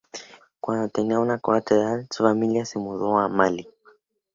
Cuando tenía una corta edad, su familia se mudó a Malí.